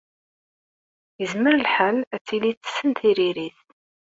Yezmer lḥal ad tili tessen tiririt.